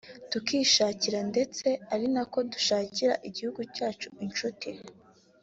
tukishakira ndetse ari na ko dushakira igihugu cyacu inshuti